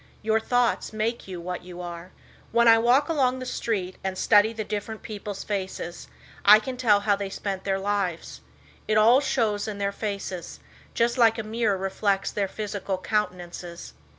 Your thoughts make you what you are. When I walk along the street and study the different people's faces I can tell how they spent their lives. It all shows in their faces, just like a mirror reflects their physical countenances.